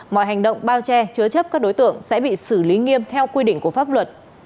mọi hành động bao che chứa chấp các đối tượng sẽ bị xử lý nghiêm theo quy định của pháp luật